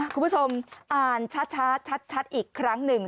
คุณผู้ชมอ่านช้าชัดอีกครั้งหนึ่ง